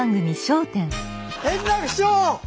円楽師匠！